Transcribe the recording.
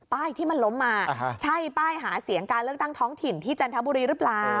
ที่มันล้มมาใช่ป้ายหาเสียงการเลือกตั้งท้องถิ่นที่จันทบุรีหรือเปล่า